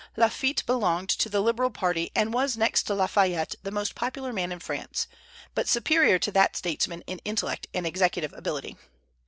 Lafitte belonged to the liberal party, and was next to Lafayette the most popular man in France, but superior to that statesman in intellect and executive ability.